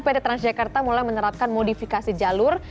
pt transjakarta mulai menerapkan modifikasi jalur